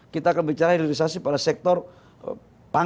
kita akan bicara hilirisasi pada sektor pangan